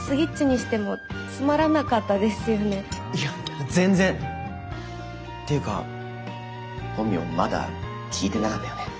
いや全然！っていうか本名まだ聞いてなかったよね。